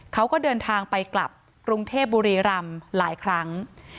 เขาก็เดินทางไปกลับกรุงเทพบุรีรำหลายครั้ง